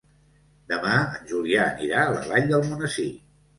Demà en Julià anirà a la Vall d'Almonesir.